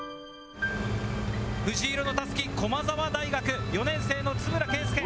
藤色のたすき、駒澤大学、４年生の円健介。